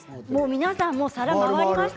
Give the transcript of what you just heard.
皆さんお皿が回りました。